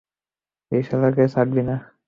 এই শালাকে ছাড়বি না!